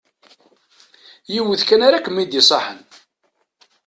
Yiwet kan ara kem-id-iṣaḥen.